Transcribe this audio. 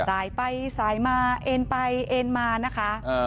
สายไปสายมาเอ็นไปเอ็นมานะคะ